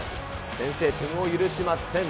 先制点を許しません。